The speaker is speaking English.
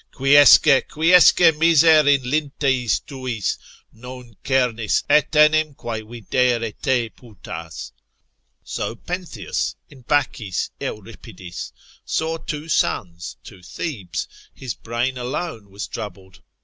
Quiesce, quiesce miser in linteis tuis, Non cernis etenim quae videre te putas. So Pentheus (in Bacchis Euripidis) saw two suns, two Thebes, his brain alone was troubled.